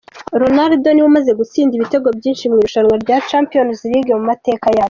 Ronaldo niwe umaze gutsinda ibitego byinshi mu irushanwa rya Champions league mu mateka yaryo.